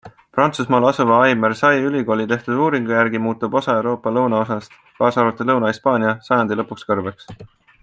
Prantsusmaal asuva Aix-Marseille'i ülikooli tehtud uuringu järgi muutub osa Euroopa lõunaosast, kaasa arvatud Lõuna-Hispaania, sajandi lõpuks kõrbeks.